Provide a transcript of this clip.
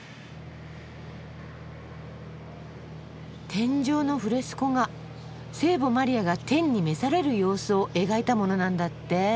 天井のフレスコ画聖母マリアが天に召される様子を描いたものなんだって。